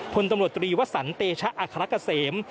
พลตำรวจตรีวสันเตชะอัครกะเสม